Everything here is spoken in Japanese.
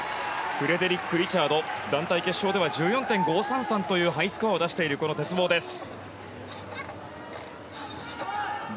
フレデリック・リチャード団体決勝では１４．５３３というハイスコアを出しているこの鉄棒です。